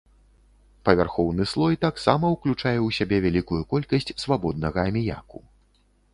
Павярхоўны слой таксама ўключае ў сябе вялікую колькасць свабоднага аміяку.